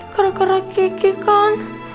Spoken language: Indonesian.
gara gara kiki kan